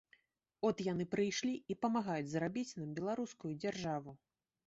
От яны прыйшлі і памагаюць зрабіць нам беларускую дзяржаву.